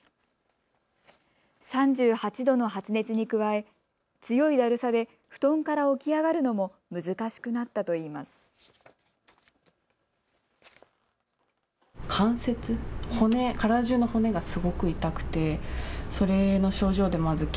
３８度の発熱に加え強いだるさで布団から起き上がるのも難しくなったといいます。